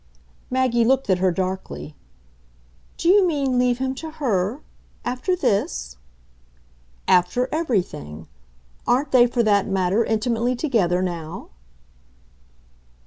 Maggie looked at her darkly. "Do you mean leave him to HER? After this?" "After everything. Aren't they, for that matter, intimately together now?"